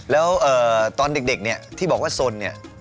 แล้วตอนเด็กเนี่ยที่บอกว่าสนเนี่ย